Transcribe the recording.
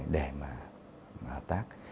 để mà hợp tác